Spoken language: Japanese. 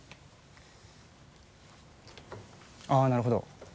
あっなるほど。